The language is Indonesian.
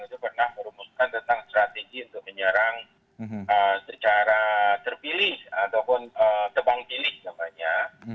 kelompok pandetlang itu pernah merumuskan tentang strategi untuk menyerang secara terpilih ataupun kebangpilih namanya